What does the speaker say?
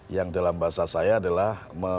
yang dalam bahasa saya adalah